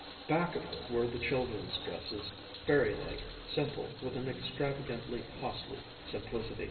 Back of her were the children's dresses, fairy like, simple with an extravagantly costly simplicity.